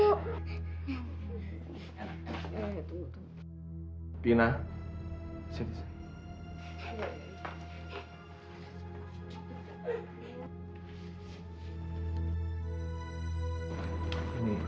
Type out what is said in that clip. hai hai ini berbisnis wadiknya